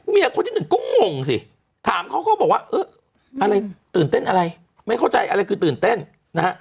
เมียคนที่หนึ่งก็งงสิถามเขาก็บอกว่าตื่นเต้นอะไรไม่เข้าใจอะไรคือตื่นเต้น